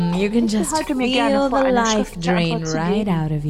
Ich behalte mir gerne vor, eine schriftliche Antwort zu geben.